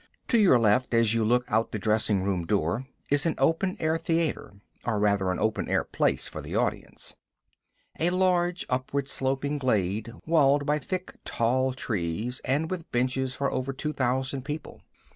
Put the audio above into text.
To your left, as you look out the dressing room door, is an open air theater, or rather an open air place for the audience a large upward sloping glade walled by thick tall trees and with benches for over two thousand people.